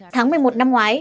tháng một mươi một năm ngoái